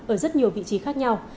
ở rất nhiều vị trí khác nhau